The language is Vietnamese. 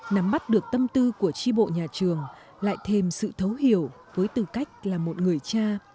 nắm bắt được tâm tư của tri bộ nhà trường lại thêm sự thấu hiểu với tư cách là một người cha